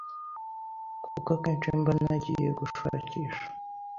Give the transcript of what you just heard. kuko akenshi mba nagiye gushakisha